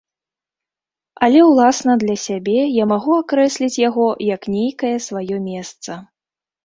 Але ўласна для сябе я магу акрэсліць яго як нейкае сваё месца.